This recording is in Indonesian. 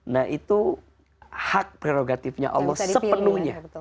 nah itu hak prerogatifnya allah sepenuhnya